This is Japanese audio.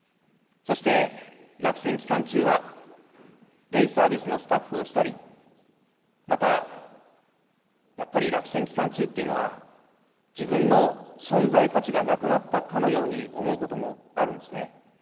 そして、落選期間中は、デイサービスのスタッフをしたり、またやっぱり落選期間中っていうのは、自分の存在価値がなくなったかのように思うこともあるんですね。